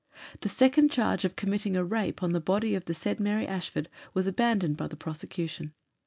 The second charge of committing a rape on the body of the said Mary Ashford was abandoned by the prosecution.